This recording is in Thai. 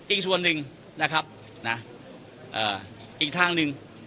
อีกส่วนหนึ่งนะครับนะอีกทางหนึ่ง